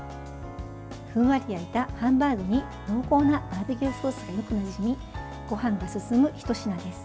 ふんわり焼いたハンバーグに濃厚なバーベキューソースがよくなじみごはんが進むひと品です。